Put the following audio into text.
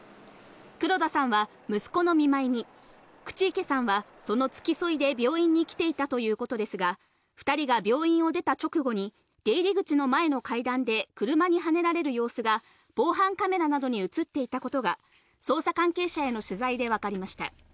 黒田さんは息子の見舞いに、口池さんはその付き添いで病院に来ていたということですが、２人が病院を出た直後に出入り口の前の階段で車にはねられる様子が防犯カメラなどに映っていたことが捜査関係者への取材でわかりました。